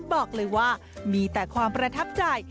บอกเลยว่ามีแต่ความประทับใจ